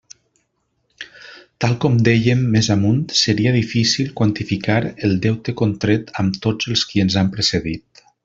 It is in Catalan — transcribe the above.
Tal com dèiem més amunt, seria difícil quantificar el deute contret amb tots els qui ens han precedit.